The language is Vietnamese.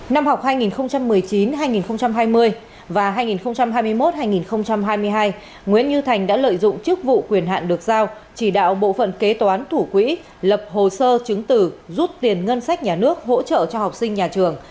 năm học hai nghìn một mươi chín hai nghìn hai mươi và hai nghìn hai mươi một hai nghìn hai mươi hai nguyễn như thành đã lợi dụng chức vụ quyền hạn được giao chỉ đạo bộ phận kế toán thủ quỹ lập hồ sơ chứng tử rút tiền ngân sách nhà nước hỗ trợ cho học sinh nhà trường